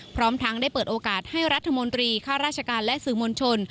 พร้อมทั้งได้เปิดโอกาสให้รัฐมนตรีข้าราชการและสื่อมวลชน